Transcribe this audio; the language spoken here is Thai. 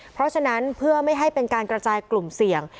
เพราะฉะนั้นเพื่อไม่ให้เป็นการกระจายกลุ่มเสี่ยง